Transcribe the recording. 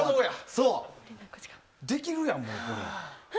できるやん、これ。